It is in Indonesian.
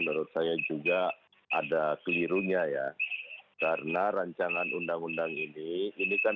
bersama dengan kami